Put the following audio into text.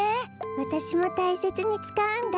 わたしもたいせつにつかうんだ。